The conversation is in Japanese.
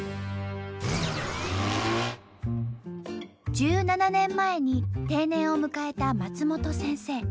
１７年前に定年を迎えた松本先生。